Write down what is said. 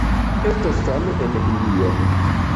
Estas same en Hindio.